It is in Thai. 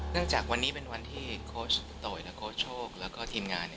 เนื่องจากวันนี้เป็นวันที่โคสต์โต๋ยโคสต์โชคและทีมงาน